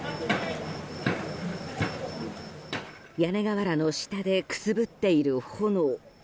屋根瓦の下でくすぶっている炎。